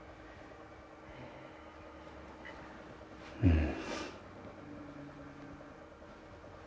うん。